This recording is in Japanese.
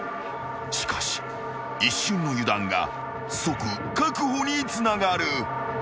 ［しかし一瞬の油断が即確保につながる］